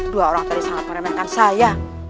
dua orang tadi sangat meremehkan saya